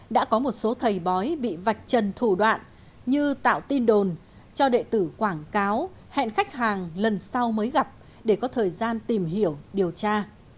đã có một số thầy bói bị vạch trần thủ đoạn như tạo tin đồn cho địa tử quảng cáo hẹn khách hàng lần sau mới gặp để có thời gian tìm hiểu điều tra